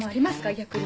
逆に。